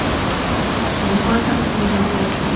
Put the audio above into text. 好開心見到你